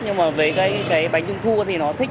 nhưng mà về cái bánh trung thu thì nó thích